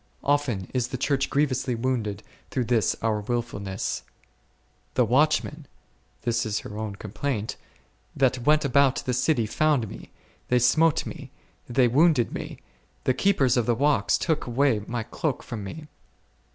Often is the Church grievously wounded through this our wilfulness : the watchmen, this is her own complaint, that went about the city found me, they smote me, they wounded me ; the keepers of the walls took away my cloak from me.